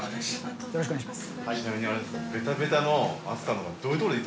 よろしくお願いします。